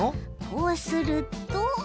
こうすると。